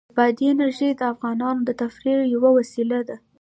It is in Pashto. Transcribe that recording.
بادي انرژي د افغانانو د تفریح یوه وسیله ده.